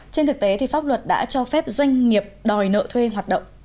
trên thực tế thì pháp luật đã cho phép doanh nghiệp đòi nợ thuê hoạt động